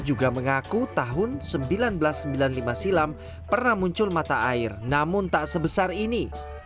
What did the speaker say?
juga mengaku tahun seribu sembilan ratus sembilan puluh lima silam pernah muncul mata air namun tak sebesar ini